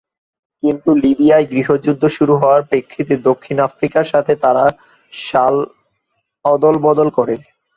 কিন্তু লিবিয়ার গৃহযুদ্ধ শুরু হওয়ার প্রেক্ষিতে দক্ষিণ আফ্রিকার সাথে তারা সাল অদল-বদল করে।